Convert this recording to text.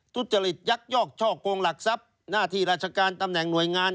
ทุจริตยักยอกช่อกงหลักทรัพย์หน้าที่ราชการตำแหน่งหน่วยงาน